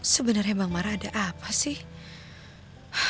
sebenarnya bang mara ada apa sih